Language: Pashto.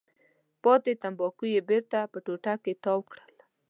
پاتې تنباکو یې بېرته په ټوټه کې تاو کړل.